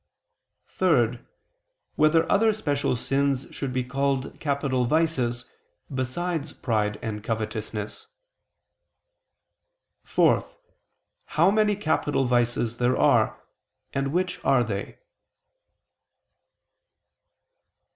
(3) Whether other special sins should be called capital vices, besides pride and covetousness? (4) How many capital vices there are, and which are they?